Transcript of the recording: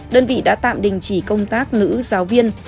đơn vị đã tạm đình chỉ công tác nữ giáo viên